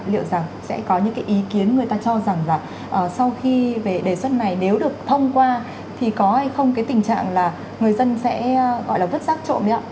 liệu rằng sẽ có những cái ý kiến người ta cho rằng là sau khi về đề xuất này nếu được thông qua thì có hay không cái tình trạng là người dân sẽ gọi là vứt rác trộm nữa